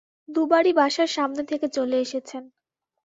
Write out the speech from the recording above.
দুবারই বাসার সামনে থেকে চলে এসেছেন।